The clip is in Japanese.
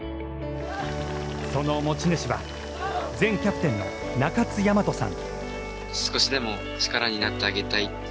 その持ち主は前キャプテンの中津大和さん。